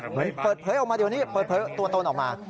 เปิดเผยออกมาเดี๋ยวนี้เปิดเผยตัวตนออกมา